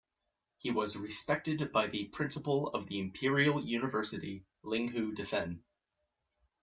He was respected by the principal of the imperial university Linghu Defen.